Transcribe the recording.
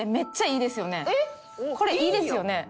これいいですよね。